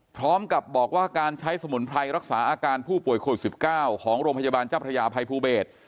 พร้อมกับบอกว่าการใช้สมุนไพรรักษาอาการผู้ป่วยโควิด๑๙ของโรงพยาบาลเจ้าพระยาภัยภูเบศ